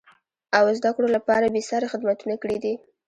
او زده کړو لپاره بېسارې خدمتونه کړیدي.